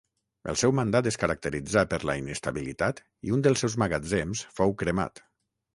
El seu mandat es caracteritzà per la inestabilitat i un dels seus magatzems fou cremat.